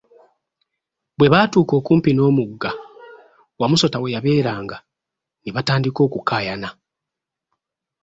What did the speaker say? Bwe baatuuka okumpi n'omugga Wamusota we yabeeranga, ne batandika okukaayana .